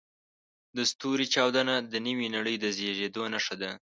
د ستوري چاودنه د نوې نړۍ د زېږېدو نښه ده.